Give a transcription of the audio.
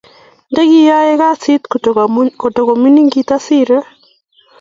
ndekyayae kasit kotamining kitasire